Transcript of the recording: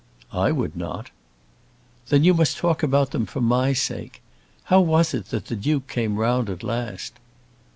"I would not." "Then you must talk about them for my sake. How was it that the Duke came round at last?"